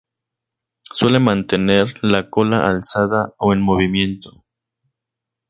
Suele mantener la cola alzada o en movimiento.